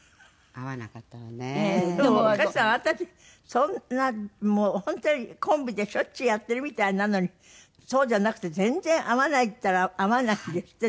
そんなもう本当にコンビでしょっちゅうやってるみたいなのにそうじゃなくて全然会わないっていったら会わないんですって？